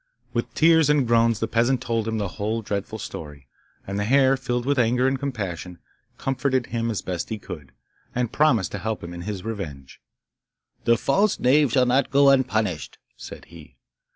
With tears and groans the peasant told him the whole dreadful story, and the hare, filled with anger and compassion, comforted him as best he could, and promised to help him in his revenge. 'The false knave shall not go unpunished,' said he.